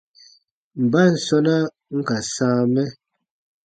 Mban sɔ̃na n ka sãa mɛ ?